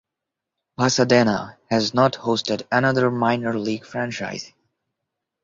Pasadena has not hosted another minor league franchise.